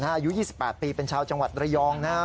อายุ๒๘ปีเป็นชาวจังหวัดระยองนะครับ